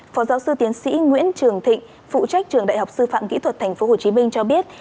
phó giáo sư tiến sĩ nguyễn trường thịnh phụ trách trường đại học sư phạm kỹ thuật tp hcm cho biết